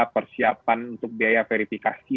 persiapan untuk biaya verifikasi